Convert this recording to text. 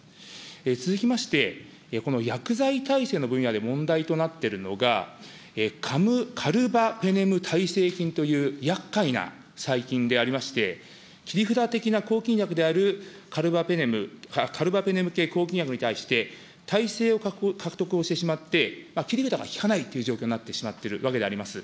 続きまして、この薬剤耐性の分野で問題となっているのが、カルバペネム耐性菌というやっかいな細菌でありまして、切り札的な抗菌薬であるカルバペネム系抗菌薬に対して、耐性を獲得をしてしまって、切り札がきかないという状況になってしまっているわけであります。